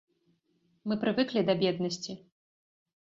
Мы прывыклі да беднасці.